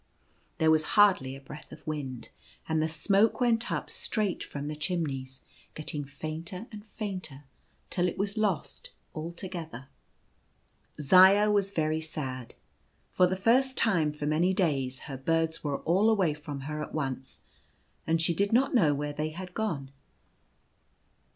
There was hardly a breath of wind, and the smoke went up straight from the chimneys, getting fainter and fainter till it was lost altogether. The Giant in t/ie Air. 5 1 Zaya was very sad. For the first time for many days her birds were all away from her at once, and she did not know where they had gone.